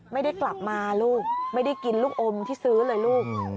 ไม่ได้กลับมาลูกไม่ได้กินลูกอมที่ซื้อเลยลูก